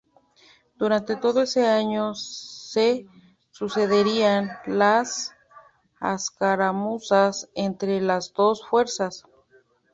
Durante todo ese año se sucederían las escaramuzas entre las dos fuerzas.